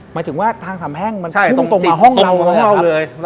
หมายถึงว่าทางสำแห้งมันคุ้มตรงมาห้องเราเลยครับ